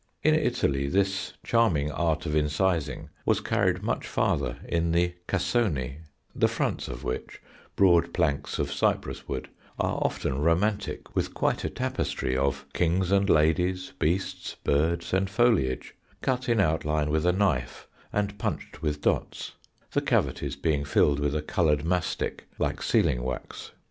In Italy this charming art of incising was carried much farther in the cassoni, the fronts of which, broad planks of cypress wood, are often romantic with quite a tapestry of kings and ladies, beasts, birds, and foliage, cut in outline with a knife and punched with dots, the cavities being filled with a coloured mastic like sealing wax.